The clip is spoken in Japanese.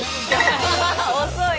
遅い。